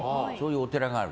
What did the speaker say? お寺がある。